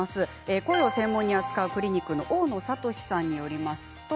声を専門に扱うクリニックの大野覚さんによりますと。